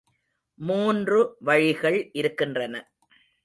மூன்று வழிகள் இருக்கின்றன.